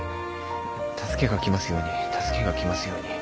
助けが来ますように助けが来ますように。